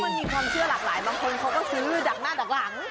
มันมีความเชื่อหลากหลายบางคนเขาก็ซื้อจากหน้าดักหลัง